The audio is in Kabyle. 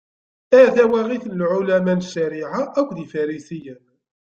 A tawaɣit n Lɛulama n ccariɛa akked Ifarisiyen.